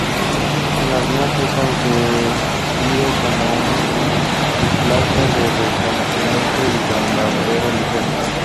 El avión fue concebido como un biplaza de reconocimiento y bombardero ligero.